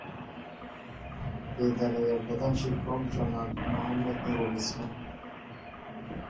বিদ্যালয়ের প্রধান শিক্ষক জনাব মোহাম্মদ নুরুল ইসলাম।